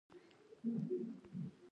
ښوونځی زموږ همت لوړوي